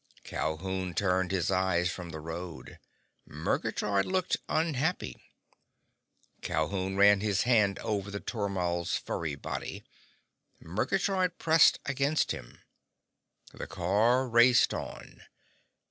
Calhoun turned his eyes from the road. Murgatroyd looked unhappy. Calhoun ran his hand over the tormal's furry body. Murgatroyd pressed against him. The car raced on.